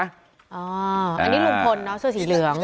อันนี้ลุงพลเนาะเสื้อสีเหลือง